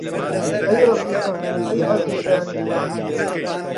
ئەی ڕەفیقان، ئەی عەزیزانی وڵات!